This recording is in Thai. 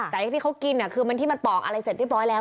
แต่ไอ้ที่เขากินคือที่มันปอกอะไรเสร็จเรียบร้อยแล้ว